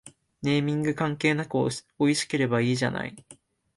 ネーミング関係なくおいしければいいじゃない